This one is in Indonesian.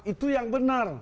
itu yang benar